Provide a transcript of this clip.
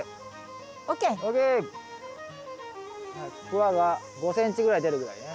クワが５ｃｍぐらい出るぐらいね。